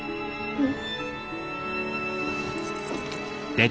うん。